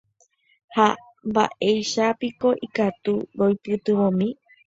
Ha mba'éichapiko ikatu roipytyvõmi